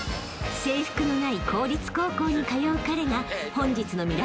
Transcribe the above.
制服のない公立高校に通う彼が］